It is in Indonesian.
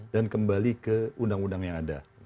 dan kembali ke undang undang yang ada